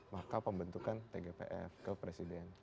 maka pembentukan tgpf ke presiden